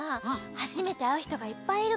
はじめてあうひとがいっぱいいるから。